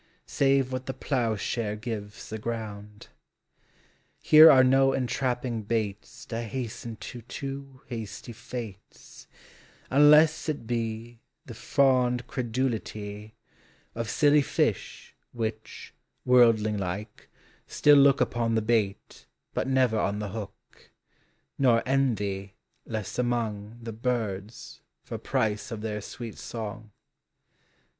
Save what the ploughshare gives the ground. Here are no entrapping baits To hasten to too hasty fates; Unless it be The fond credulity 138 POEMS OF XATURE. Of silly fish, which (worldling like) still look Upon the bait, but never on the hook ; Nor envy, 'less among The birds, for price of their sweet song.